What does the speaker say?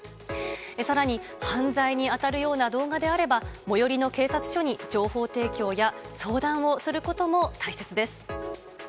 さらに犯罪に当たるような動画であれば、最寄りの警察署に情報提供や相談をすることも大切です。